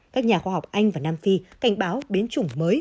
các nhà khoa học anh và nam phi cảnh báo biến chủng mới